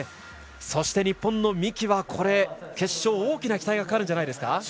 そして日本の三木は決勝、大きな期待がかかるんじゃないでしょうか。